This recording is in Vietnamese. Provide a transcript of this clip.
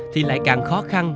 thì lại càng khó khăn